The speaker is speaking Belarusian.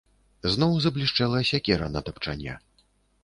Зноў заблішчэла сякера на тапчане.